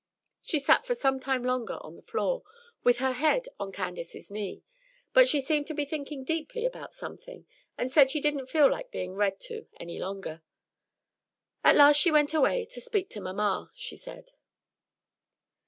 She sat for some time longer on the floor, with her head on Candace's knee; but she seemed to be thinking deeply about something, and said she didn't feel like being read to any longer. At last she went away "to speak to mamma," she said.